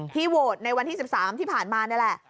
โหวตในวันที่๑๓ที่ผ่านมานี่แหละ